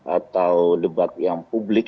atau debat yang publik